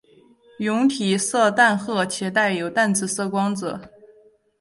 蛹体色淡褐且带有淡紫色光泽。